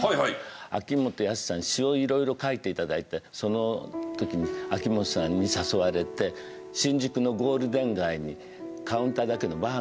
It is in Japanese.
秋元康さんに詞を色々書いて頂いてその時に秋元さんに誘われて新宿のゴールデン街にカウンターだけのバーがあったの。